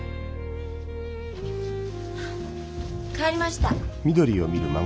帰りました。